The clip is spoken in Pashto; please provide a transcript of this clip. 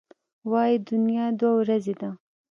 وايي دنیا دوه ورځې ده.